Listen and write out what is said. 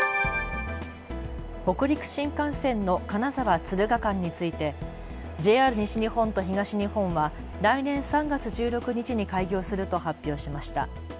北陸新幹線の金沢・敦賀間についてＪＲ西日本と東日本は来年３月１６日に開業すると発表しました。